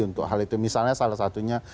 untuk hal itu misalnya salah satunya